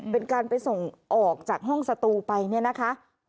เป็นการไปส่งออกจากห้องสตูไปเนี่ยนะคะ